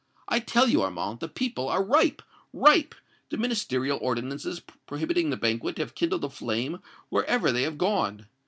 I tell you, Armand, the people are ripe ripe! The Ministerial ordinances prohibiting the banquet have kindled a flame wherever they have gone.